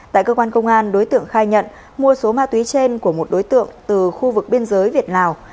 tại cơ quan công an đối tượng khai nhận mua số ma túy trên của một đối tượng từ khu vực biên giới việt lào